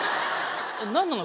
何なの？